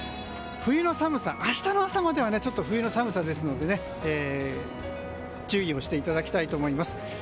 明日の朝までは冬の寒さですので注意をしていただきたいと思います。